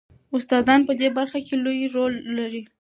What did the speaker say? استادان په دې برخه کې لوی رول لري.